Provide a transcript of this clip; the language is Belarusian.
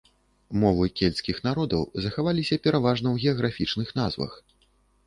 Мовы кельцкіх народаў захаваліся пераважна ў геаграфічных назвах.